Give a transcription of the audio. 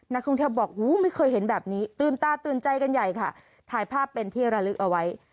นักท่องเที่ยวบอกไม่เคยเห็นแบบนี้ตื่นตาตื่นใจกันใหญ่ค่ะถ่ายภาพเป็นที่ระลึกเอาไว้